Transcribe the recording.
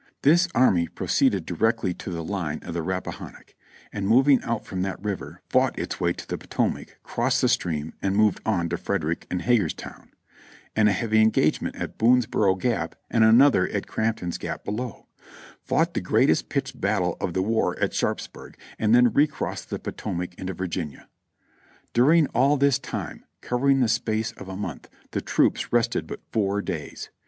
"This army proceeded directly to the line of the Rappahannock, and moving out from that river fought its way to the Potomac, crossed the stream, and moved on to Frederick and Hagerstown ; and a heavy engagement at Boonsboro Gap and another at Crampton's Gap below; fought the greatest pitched battle of the war at Sharpsburg, and then recrossed the Potomac into Vir ginia. During all this time, covering the full space of a month, the troops rested but four days.